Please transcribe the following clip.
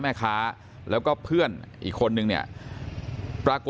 ท่านดูเหตุการณ์ก่อนนะครับ